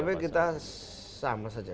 ya buat pkb kita sama saja